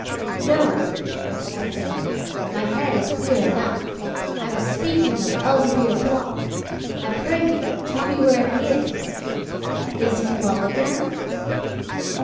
'No,' I struck in, 'my head is clear enough; I am speaking of Elzevir Block. I pray you tell me where he is. Is he well again?'